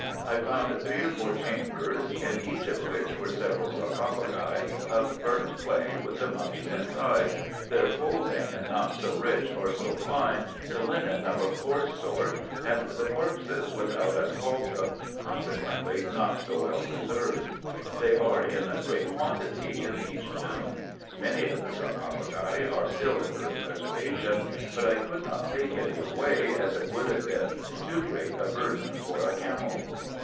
I found three or four chambers, in each of which were several sarcophagi of burnt clay with the mummies inside, their folding not so rich or so fine, the linen of a coarse sort, and the corpses without asphaltum, consequently not so well preserved. They are in great quantity in each tomb. Many of the sarcophagi are still in good preservation, but I could not take any away, as it wovdd have been too great a burthen for a camel.